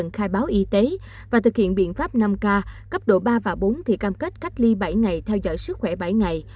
khai báo y tế và thực hiện biện pháp năm k cấp độ ba và bốn thì cam kết cách ly bảy ngày theo dõi sức khỏe bảy ngày